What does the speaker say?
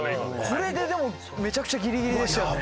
これででもめちゃくちゃギリギリでしたよね。